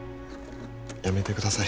やめてください